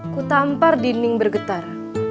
ku tampar dinding bergetar